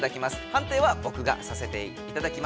判定はぼくがさせていただきます。